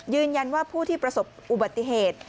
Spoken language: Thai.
ยืนยันว่าผู้ที่ประสบอุบัติเหตุ